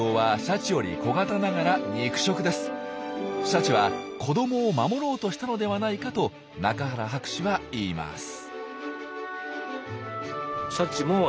シャチは子どもを守ろうとしたのではないかと中原博士は言います。